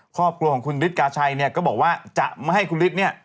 ครอบครัวของคุณฤทธกาชัยเนี่ยก็บอกว่าจะไม่ให้คุณฤทธิ์เนี่ย